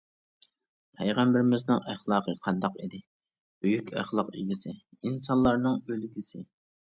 پەيغەمبىرىمىزنىڭ ئەخلاقى قانداق ئىدى؟ بۈيۈك ئەخلاق ئىگىسى، ئىنسانلارنىڭ ئۈلگىسى.